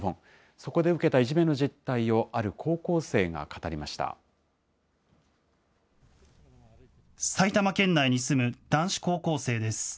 そこで受けたいじめの実態を、あ埼玉県内に住む男子高校生です。